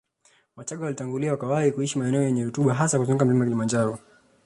Wachaga walitangulia wakawahi kuishi maeneo yenye rutuba hasa kuzunguka mlima Kilimanjaro